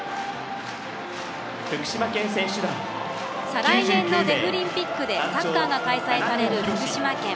再来年のデフリンピックでサッカーが開催される福島県。